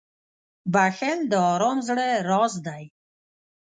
• بښل د ارام زړه راز دی.